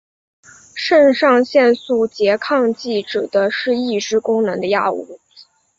肾上腺素拮抗剂指的是抑制功能的药物。